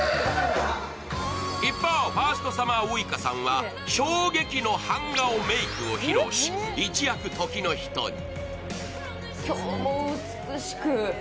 一方、ファーストサマーウイカさんは衝撃の半顔メイクを披露し一躍時の人に。